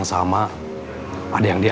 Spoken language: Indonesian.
sana kerja lagi